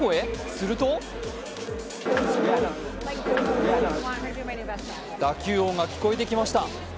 すると打球音が聞こえてきました。